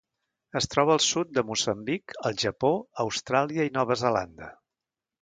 Es troba al sud de Moçambic, al Japó, Austràlia i Nova Zelanda.